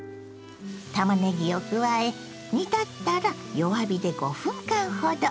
たまねぎを加え煮立ったら弱火で５分間ほど。